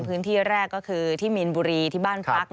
พื้นที่แรกก็คือที่มีนบุรีที่บ้านพัก